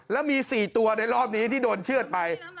แล้วมี๔ตัวในรอบนี้ที่โดนเชื่อดไป